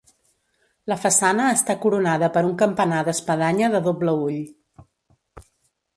La façana està coronada per un campanar d'espadanya de doble ull.